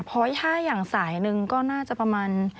เพราะถ้าอย่างสายหนึ่งก็น่าจะประมาณ